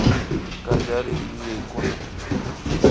Kallariyuyaykuna